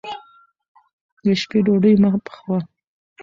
د شپې ډوډۍ مه پخوه.